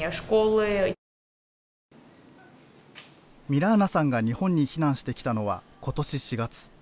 ミラーナさんが日本に避難してきたのは、ことし４月。